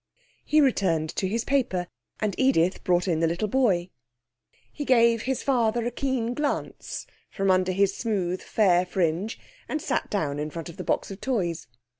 He returned to his paper, and Edith brought in the little boy. He gave his father a keen glance from under his smooth, fair fringe and sat down in front of the box of toys.